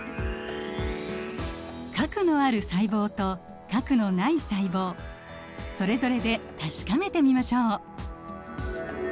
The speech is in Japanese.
核のある細胞と核のない細胞それぞれで確かめてみましょう。